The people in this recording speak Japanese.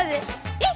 えっ